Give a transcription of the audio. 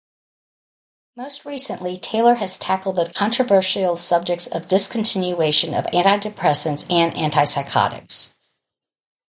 Most recently Taylor has tackled the controversial subjects of discontinuation of antidepressants and antipsychotics.